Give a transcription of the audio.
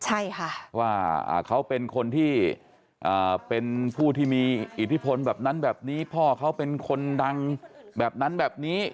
ใช่ค่ะว่าเขาเป็นคนที่เป็นผู้ที่มีอิทธิพลแบบนั้นแบบนี้พ่อเขาเป็นคนดังแบบนั้นแบบนี้